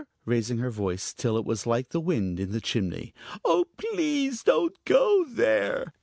raising her voice till it was like the wind in the chimney. "Oh, please don't go there!"